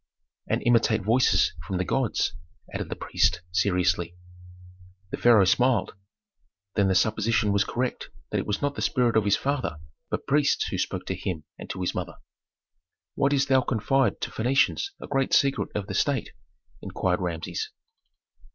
"And imitate voices from the gods," added the priest seriously. The pharaoh smiled. Then the supposition was correct that it was not the spirit of his father, but priests who spoke to him and to his mother. "Why didst thou confide to Phœnicians a great secret of the state?" inquired Rameses.